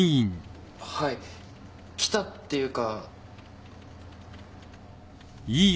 はい来たっていうか。